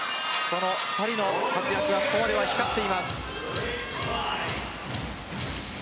その２人の活躍がここまでは光っています。